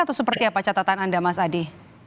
atau seperti apa catatan anda mas adi